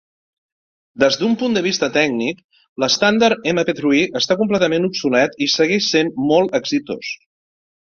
Des d'un punt de vista tècnic, l'estàndard MP-Three està completament obsolet i segueix sent molt exitós.